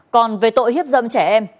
còn về tội hiếp dâm trẻ em